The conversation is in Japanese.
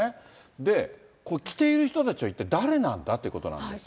で、この着ている人たちは一体誰なんだっていうことなんですが。